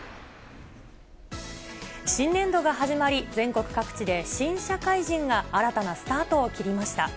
新年度が始まり、全国各地で新社会人が新たなスタートを切りました。